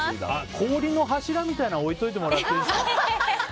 氷の柱みたいなの置いといてもらっていいですか。